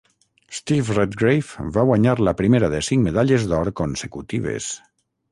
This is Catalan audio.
Steve Redgrave va guanyar la primera de cinc medalles d'or consecutives.